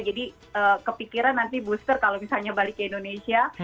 jadi kepikiran nanti booster kalau misalnya balik ke indonesia